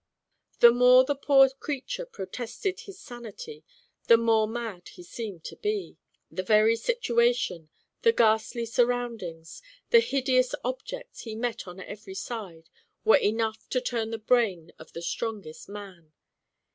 The more the poor creature protested his san ity the more mad he seemed to be. The very situation, the ghastly surroundings, the hideous objects he met on every side, were enough to turn the brain of the strongest man.